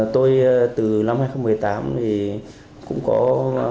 tôi từ năm hai nghìn một mươi tám thì cũng có